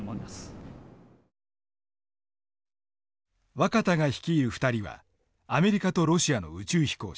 若田が率いる２人はアメリカとロシアの宇宙飛行士。